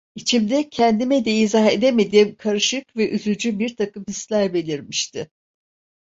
İçimde, kendime de izah edemediğim karışık ve üzücü birtakım hisler belirmişti.